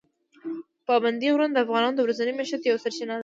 پابندي غرونه د افغانانو د ورځني معیشت یوه سرچینه ده.